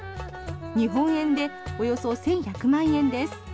日本円でおよそ１１００万円です。